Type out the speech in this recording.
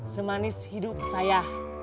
semanis hidup saya